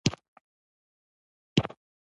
احمدشاه بابا د وطن پر هره ذره میین و.